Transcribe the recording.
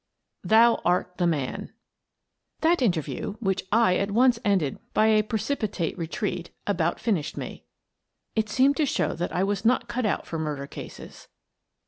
THOU ART THE MAN " That interview — which I at once ended by a precipitate retreat — about finished me. It seemed to show that I was not cut out for murder cases.